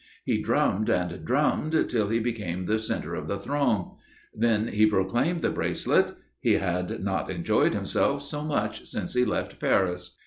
He drummed and drummed till he became the centre of the throng. Then he proclaimed the bracelet. He had not enjoyed himself so much since he left Paris.